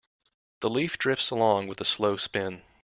The leaf drifts along with a slow spin.